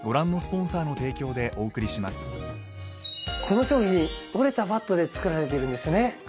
この商品折れたバットで作られているんですよね。